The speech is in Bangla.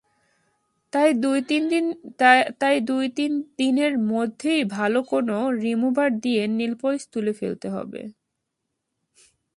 তাই দু-তিন দিনের মধ্যেই ভালো কোনো রিমুভার দিয়ে নেইলপলিশ তুলে ফেলতে হবে।